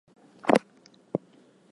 It also provides a banjo and a sitar tone.